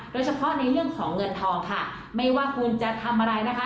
โดยเฉพาะในเรื่องของเงินทองค่ะไม่ว่าคุณจะทำอะไรนะคะ